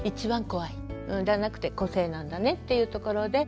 じゃなくて個性なんだねっていうところで。